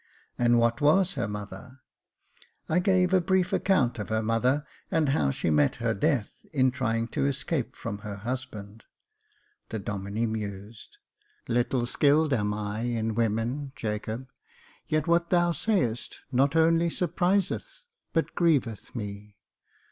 And what was her mother ?" I gave a brief account of her mother, and how she met her death in trying to escape from her husband. The Domine mused. " Little skilled am I in women, Jacob, yet what thou sayest not only surpriseth but grieveth me.